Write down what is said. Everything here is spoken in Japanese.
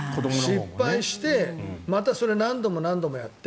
失敗して、またそれを何度も何度もやって。